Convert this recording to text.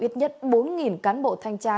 ít nhất bốn cán bộ thanh tra